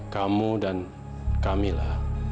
kamu dan kamila